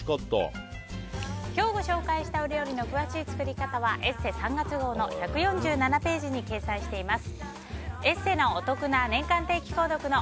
今日ご紹介したお料理の詳しい作り方は「ＥＳＳＥ」３月号の１４７ページに掲載しています。